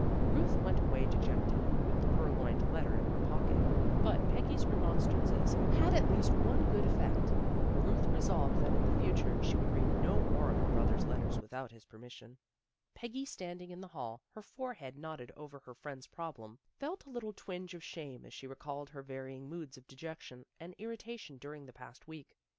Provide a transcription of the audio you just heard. Ruth went away dejected, with the purloined letter in her pocket, but Peggy's remonstrances had at least one good effect. Ruth resolved that in the future she would read no more of her brother's letters without his permission. Peggy, standing in the hall, her forehead knotted over her friend's problem, felt a little twinge of shame as she recalled her varying moods of dejection and irritation during the past week.